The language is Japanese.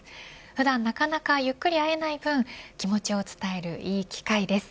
普段なかなかゆっくり会えない分気持ちを伝えるいい機会です。